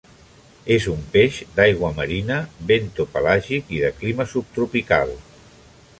És un peix d'aigua marina, bentopelàgic i de clima subtropical.